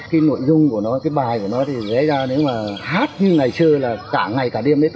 cái nội dung của nó cái bài của nó thì dễ ra nếu mà hát như ngày trưa là cả ngày cả đêm đấy